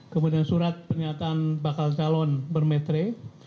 kemudian surat pernyataan bakal calon bermetre